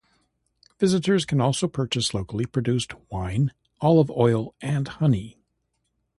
Visitors can also purchase locally produced wine, olive oil and honey.